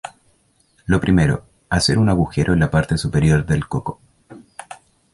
Lo primero, hacer un agujero en la parte superior del coco.